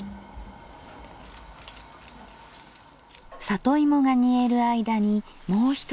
里芋が煮える間にもう一品。